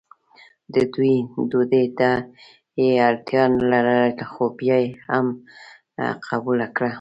د دوی ډوډۍ ته یې اړتیا نه لرله خو بیا یې هم قبوله کړه.